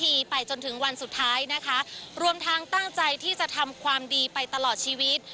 ไปจนถึงวันสุดท้ายนะคะรวมทั้งตั้งใจที่จะทำความดีไปตลอดชีวิต